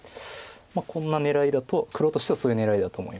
こんな狙いだと黒としてはそういう狙いだと思います。